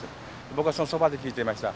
僕はそのそばで聴いていました。